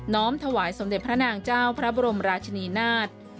้อมถวายสมเด็จพระนางเจ้าพระบรมราชนีนาฏ